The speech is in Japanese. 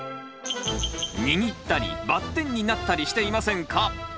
握ったりバッテンになったりしていませんか？